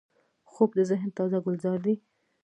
خوب د ذهن تازه ګلزار دی